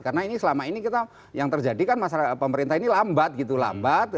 karena ini selama ini kita yang terjadi kan masalah pemerintah ini lambat gitu lambat